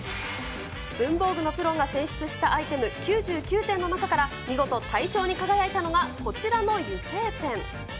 文房具のプロが選出したアイテム９９点の中から、見事、大賞に輝いたのがこちらの油性ペン。